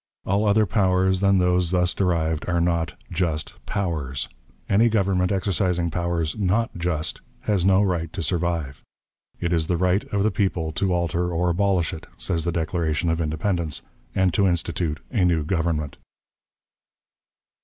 All other powers than those thus derived are not "just powers." Any government exercising powers "not just" has no right to survive. "It is the right of the people to alter or abolish it," says the Declaration of Independence, "and to institute a new government."